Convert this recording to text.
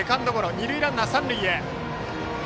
二塁ランナーは三塁へ。